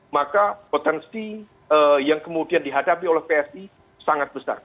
maka potensi yang kemudian dihadapi oleh psi sangat besar